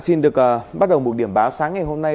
xin được bắt đầu một điểm báo sáng ngày hôm nay